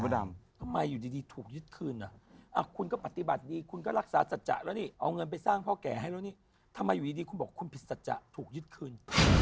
ดำทำไมอยู่ดีถูกยึดคืนอ่ะคุณก็ปฏิบัติดีคุณก็รักษาสัจจะแล้วนี่เอาเงินไปสร้างพ่อแก่ให้แล้วนี่ทำไมอยู่ดีคุณบอกคุณผิดสัจจะถูกยึดคืน